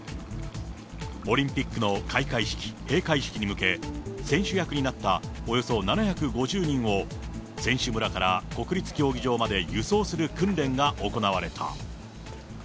オリンピックの開会式、閉会式に向け、選手役になったおよそ７５０人を、選手村から国立競技場まで輸送する訓練が行われた。